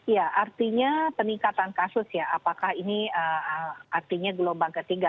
ya artinya peningkatan kasus ya apakah ini artinya gelombang ketiga